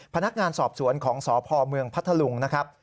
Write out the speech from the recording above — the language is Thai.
พนักงานสอบสวนของสพเมืองพัทธลุงนะครับ